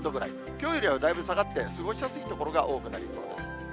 きょうよりはだいぶ下がって過ごしやすい所が多くなりそうです。